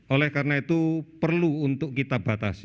oleh karena itu perlu untuk kita batasi